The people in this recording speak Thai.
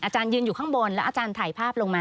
ยืนอยู่ข้างบนแล้วอาจารย์ถ่ายภาพลงมา